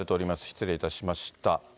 失礼いたしました。